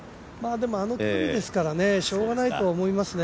あの距離ですからね、しょうがないとは思いますね。